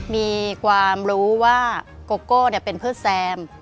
มีความรู้ว่าโกโก้เป็นเพื่อแซม